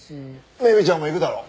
メグちゃんも行くだろ？